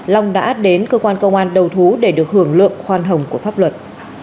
long đã đến cơ quan công an đầu thú để được hưởng lượng khoan hồng của pháp luật